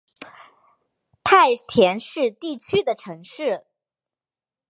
太田市地区的城市。